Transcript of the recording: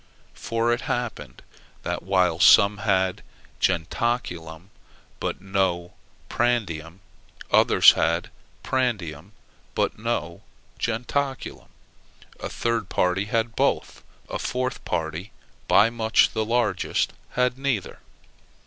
For it happened that while some had jentaculum but no prandium, others had prandium but no jentaculum; a third party had both; a fourth party, by much the largest, had neither.